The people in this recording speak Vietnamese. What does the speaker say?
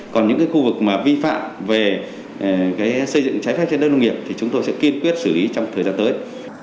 còn những khu vực vi phạm về xây dựng trái phép trên đất nông nghiệp thì chúng tôi sẽ kiên quyết xử lý trong thời gian tới